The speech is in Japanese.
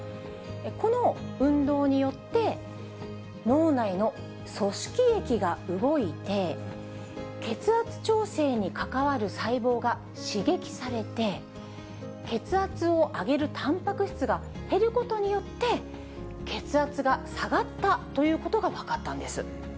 この運動によって、脳内の組織液が動いて、血圧調整に関わる細胞が刺激されて、血圧を上げるたんぱく質が減ることによって、血圧が下がったということが分かったんです。